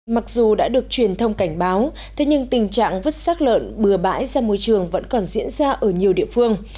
mặc dù đã được truyền thông cảnh báo thế nhưng tình trạng vứt sát lợn bừa bãi ra môi trường vẫn còn diễn ra ở nhiều địa phương